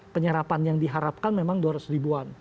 penyerapan yang diharapkan memang dua ratus ribuan